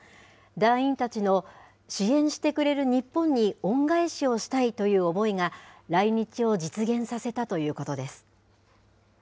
団員たちの支援してくれる日本に恩返しをしたいという思いが、来日を実現させたということです。